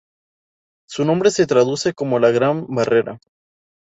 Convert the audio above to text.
Su nombre se traduce como "la Gran Barrera".